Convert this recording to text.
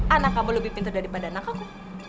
anak kamu lebih pinter daripada anak aku